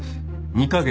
２カ月！？